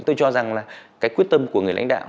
tôi cho rằng là cái quyết tâm của người lãnh đạo